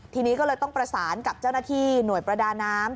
ทีนี้ก็เลยต้องประสานกับเจ้าหน้าที่หน่วยประดาน้ำ